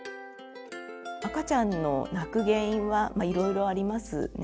赤ちゃんの泣く原因はいろいろありますね。